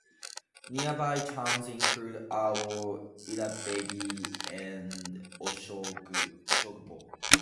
Nearby towns include Awo, Iragberi and Oshogbo.